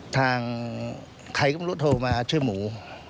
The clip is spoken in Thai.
ทางใครก็ไม่รู้โทรมาชื่อหมู